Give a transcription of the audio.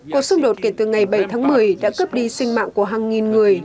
cuộc xung đột kể từ ngày bảy tháng một mươi đã cướp đi sinh mạng của hàng nghìn người